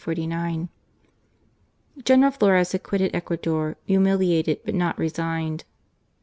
1847 — 1849. General Flores had quitted Ecuador, humiliated but not resigned.